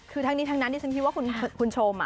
คือทั้งนี้ทั้งนั้นที่ฉันคิดว่าคุณชม